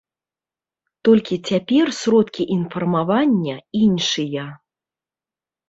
Толькі цяпер сродкі інфармавання іншыя.